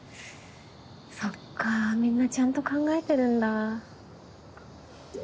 そっかみんなちゃんと考えてるんだ。